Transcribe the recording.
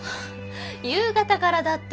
夕方からだって。